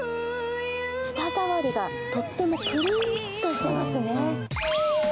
舌触りがとってもぷるんとしていますね。